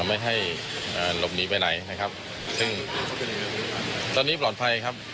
ไม่ให้หลบหนีไปไหนนะครับซึ่งตอนนี้ปลอดภัยครับ